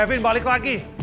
kevin balik lagi